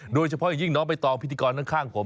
โดยเฉพาะอย่างยิ่งน้องใบตองพิธีกรข้างผม